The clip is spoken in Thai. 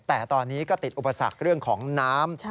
แต่ตอนนี้ก็ติดอุปสรรคเรื่องของน้ำ